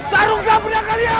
tarungkan pindah kalian